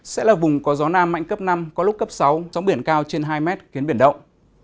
sẽ là vùng có gió nam mạnh cấp năm có lúc cấp sáu sóng biển cao trên hai mét khiến biển động